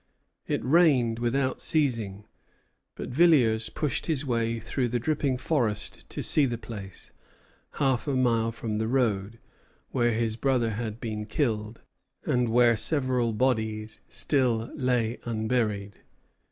It rained without ceasing; but Villiers pushed his way through the dripping forest to see the place, half a mile from the road, where his brother had been killed, and where several bodies still lay unburied.